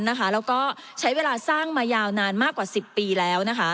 แล้วก็ใช้เวลาสร้างมายาวนานมากกว่า๑๐ปีแล้ว